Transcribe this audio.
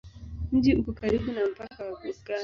Mji uko karibu na mpaka wa Ghana.